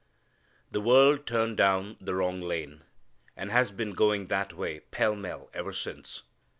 The world turned down the wrong lane, and has been going that way pell mell ever since.